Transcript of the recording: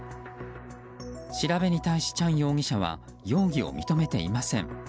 調べに対し、チャン容疑者は容疑を認めていません。